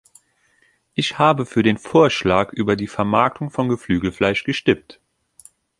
Ich habe für den Vorschlag über die Vermarktung von Geflügelfleisch gestimmt.